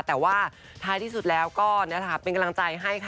แต่ว่าถ้าที่สุดแล้วก็เป็นกำลังใจให้ค่ะ